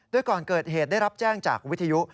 โดยก่อนเกิดเหตุได้รับแจ้งจากวิทยุ